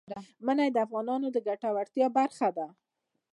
منی د افغانانو د ګټورتیا برخه ده.